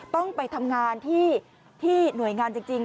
ต้องไปทำงานที่หน่วยงานจริง